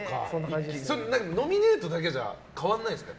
ノミネートだけじゃ変わらないですか？